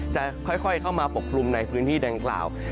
จะค่อยเข้ามาปกกลุ่มในพื้นที่ดังกล่าว